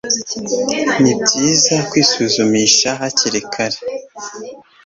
ni byiza kwisuzumisha hakiri kare